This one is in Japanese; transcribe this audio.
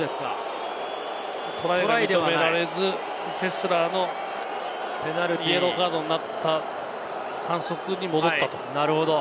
トライが認められず、フェスラーのイエローカードになった、反則に戻ったと。